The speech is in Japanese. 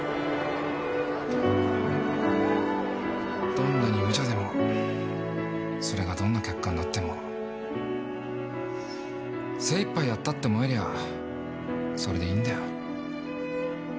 どんなに無茶でもそれがどんな結果になっても精いっぱいやったって思えりゃそれでいいんだよ。